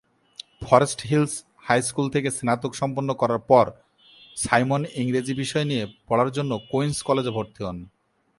Forest hills high school থেকে স্নাতক সম্পন্ন করার পর সাইমন ইংরেজি বিষয় নিয়ে পড়ার জন্য কুইন্স কলেজে ভর্তি হন।